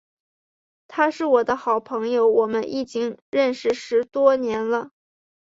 他是我的好朋友，我们已经认识十多年了。